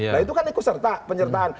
nah itu kan ikut serta penyertaan